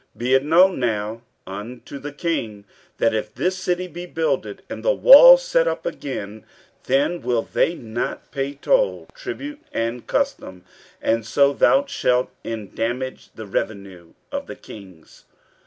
15:004:013 Be it known now unto the king, that, if this city be builded, and the walls set up again, then will they not pay toll, tribute, and custom, and so thou shalt endamage the revenue of the kings.